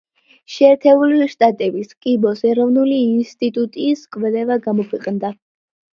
შეერთებული შტატების კიბოს ეროვნული ინსტიტუტის კვლევა გამოქვეყნდა.